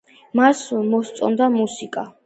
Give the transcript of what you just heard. მას მოსწონს მუსიკა